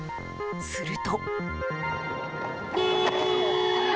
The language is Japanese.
すると。